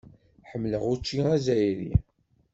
Ḥemmleɣ učči azzayri.